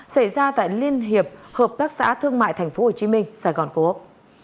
xảy ra tại liên hiệp hợp tác xã thương mại tp hcm sài gòn cố úc